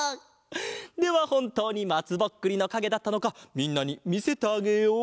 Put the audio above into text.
ではほんとうにまつぼっくりのかげだったのかみんなにみせてあげよう！